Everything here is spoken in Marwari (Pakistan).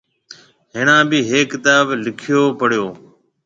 هڻي ڀِي هيڪ ڪتآب لِکي پڙيو۔